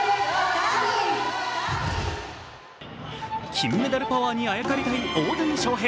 金メダルパワーにあやかりたい大谷翔平。